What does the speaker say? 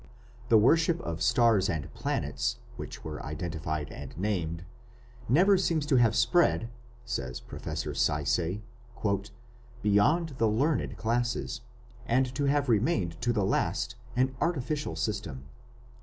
The worship of stars and planets, which were identified and named, "seems never to have spread", says Professor Sayce, "beyond the learned classes, and to have remained to the last an artificial system.